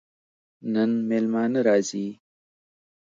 نن مېلمانه راځي